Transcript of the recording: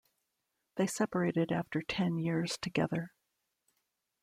They separated after ten years together.